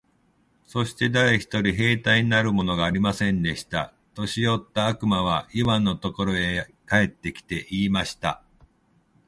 そして誰一人兵隊になるものがありませんでした。年よった悪魔はイワンのところへ帰って来て、言いました。